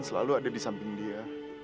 selalu ada di samping dia